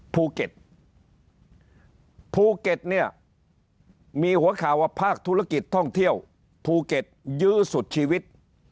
ภูเก็ตภูเก็ตเนี่ยมีหัวข่าวว่าภาคธุรกิจท่องเที่ยวภูเก็ตยื้อสุดชีวิต